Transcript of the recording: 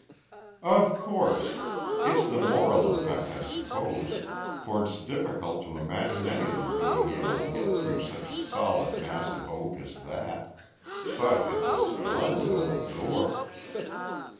"Of course. It's the moral effect, I suppose, for it's difficult to imagine anything being able to get through such a solid mass of oak as that. But it's a splendid old door."